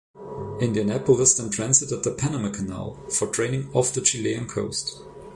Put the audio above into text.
"Indianapolis" then transited the Panama Canal for training off the Chilean coast.